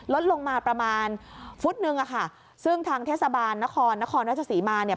ลดลงมาประมาณฟุตนึงอะค่ะซึ่งทางเทศบาลนครนครราชสีมาเนี่ย